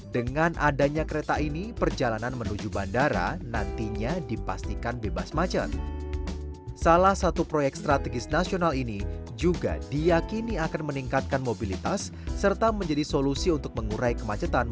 dengan adanya kereta ini perjalanan menuju bandara nantinya dipastikan bebas macet